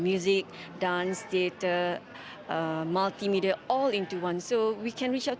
musik dans teater multimedia semua berada di satu